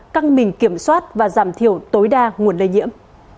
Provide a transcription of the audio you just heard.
căng mình kiểm soát và giảm thiểu tối đa nguồn lây nhiễm